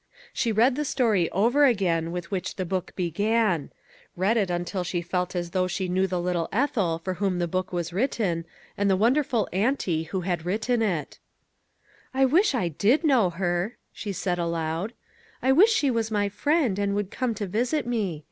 She read the story over again, with which the book began ; read it until she felt as though she knew the little Ethel for whom the book was written, ETHEL and the wonderful " auntie " who had written it. " I wish I did know her," she said, aloud. " I wish she was my friend, and would come to visit me.